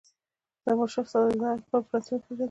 زمانشاه شهزاده اکبر په رسمیت پېژندلی وو.